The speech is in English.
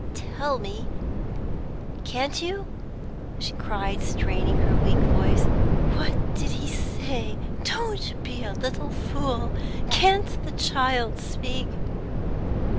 "Tell me, can't you?" she cried, straining her weak voice. "What did he say? Don't be a little fool! Can't the child speak?"